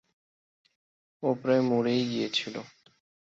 ও প্রায় মরেই গিয়েছিল।